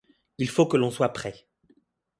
Il faut que l’on soit prêt.